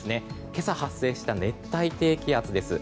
今朝、発生した熱帯低気圧です。